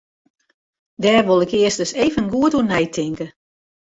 Dêr wol ik earst even goed oer neitinke.